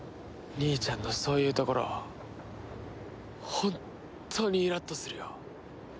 兄ちゃんのそういうところホントにイラッとするよ。